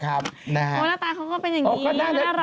เพราะหน้าตาเขาก็เป็นอย่างนี้น่ารักของเขา